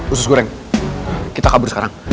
usus goreng kita kabur sekarang